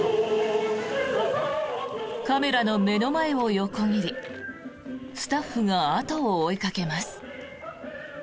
カメラの目の前を横切りスタッフが後を追いかけます。